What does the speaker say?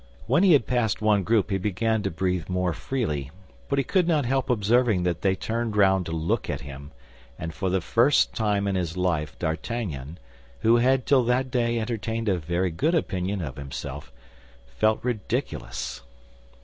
When he had passed one group he began to breathe more freely; but he could not help observing that they turned round to look at him, and for the first time in his life D'Artagnan, who had till that day entertained a very good opinion of himself, felt ridiculous.